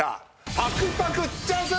パクパクチャンス！